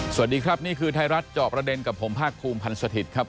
สวัสดีครับนี่คือไทยรัฐเจาะประเด็นกับผมภาคภูมิพันธ์สถิตย์ครับ